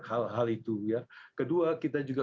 hal hal itu ya kedua kita juga